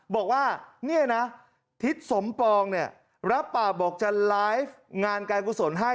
บอกว่าเนี่ยนะทิศสมปองเนี่ยรับปากบอกจะไลฟ์งานการกุศลให้